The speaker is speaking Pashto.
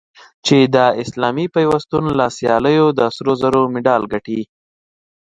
چې د اسلامي پیوستون له سیالیو د سرو زرو مډال ګټي